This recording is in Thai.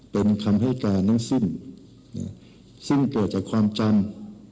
เป็นคำให้การทั้งสิ้นซึ่งเกิดจากความจำ